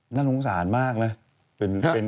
นั่นโหงสารมากเลย